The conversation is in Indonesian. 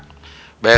besok ayah antre